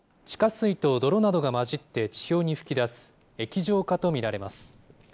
地下水と泥などが交じって地表に噴き出す液状化と見られます。